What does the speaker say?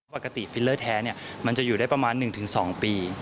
ฟิลเลอร์แท้มันจะอยู่ได้ประมาณ๑๒ปี